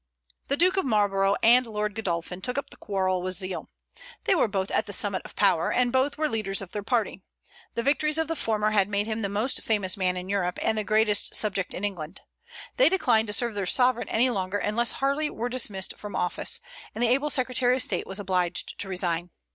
The Duke of Marlborough and Lord Godolphin took up the quarrel with zeal. They were both at the summit of power, and both were leaders of their party. The victories of the former had made him the most famous man in Europe and the greatest subject in England. They declined to serve their sovereign any longer, unless Harley were dismissed from office; and the able secretary of state was obliged to resign.